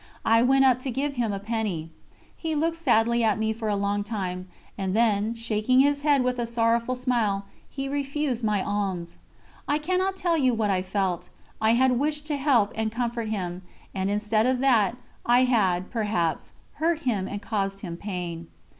I went up to give him a penny. He looked sadly at me for a long time, and then, shaking his head with a sorrowful smile, he refused my alms. I cannot tell you what I felt; I had wished to help and comfort him, and instead of that, I had, perhaps, hurt him and caused him pain.